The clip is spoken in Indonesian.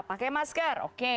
pakai masker oke